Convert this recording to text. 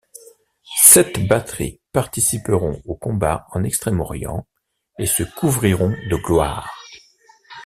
Sept batteries participeront aux combats en Extrême Orient et se couvriront de gloire.